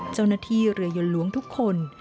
เจ้าหน้าที่เรือยนล้วงทุกคน